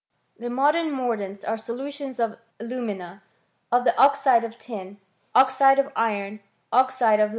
The modern mordants are solutions of alumina; of the oxide of tin, oxide of iron, oxide of lead.